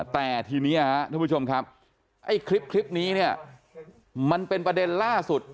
แต่ทีนี้ท่านผู้ชมครับไอ้คลิปนี้เนี่ยมันเป็นประเด็นล่าสุด